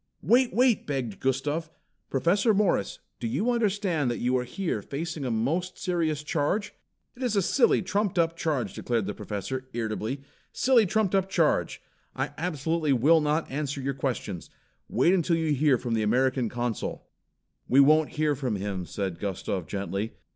"Wait, wait!" begged Gustav. "Professor Morris, do you understand that you are here facing a most serious charge?" "It is a silly, trumped up charge," declared the Professor, irritably. "Silly trumped up charge! I absolutely will not answer your questions. Wait until you hear from the American Consul." "We won't hear from him," said Gustav gently.